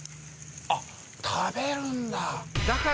あっ食べるんだ！